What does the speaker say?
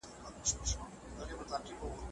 راووزه جهاني په خلوتونو پوره نه سوه